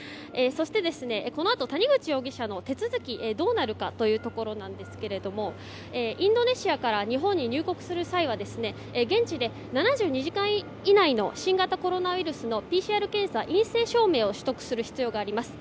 そしてこのあと谷口容疑者の手続きどうなるかというところですけどもインドネシアから日本に入国する際は現地で７２時間以内の新型コロナウイルスのＰＣＲ検査、陰性証明を取得する必要があります。